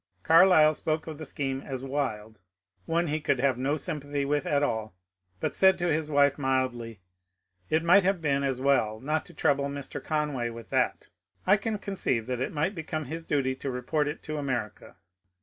Carlyle spoke of the scheme as wild, one he could have no sympathy with at all, but said to his wife mildly, *^ It might have been as well not to trouble Mr. Conway with that ; I can conceive that it might become his duty to report it to America.